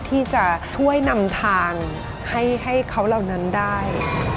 ที่จะช่วยนำทางให้เขาเหล่านั้นได้